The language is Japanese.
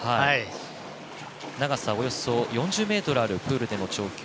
長さおよそ４０ｍあるプールでの調教。